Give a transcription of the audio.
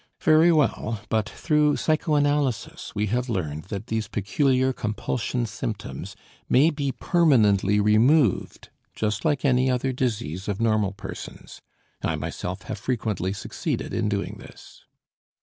Very well but through psychoanalysis we have learned that these peculiar compulsion symptoms may be permanently removed just like any other disease of normal persons. I myself have frequently succeeded in doing this.